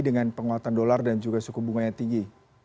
dengan penguatan dolar dan juga suku bunga yang tinggi